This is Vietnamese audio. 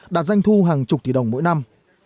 đạt danh thu hàng chục tỷ đồng mỗi năm